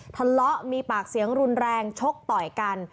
ทะเลาะมีปากเสียงรุนแรงชกต่อยกัน